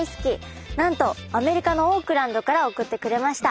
なんとアメリカのオークランドから送ってくれました。